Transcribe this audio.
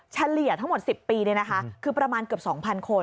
เฉลี่ยทั้งหมด๑๐ปีคือประมาณเกือบ๒๐๐คน